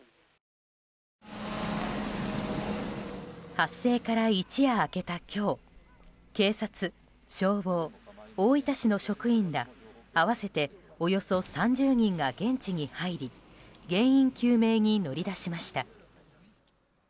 発生から一夜明けた今日警察、消防、大分市の職員ら合わせておよそ３０人が現地に入り原因究明に乗り出しました。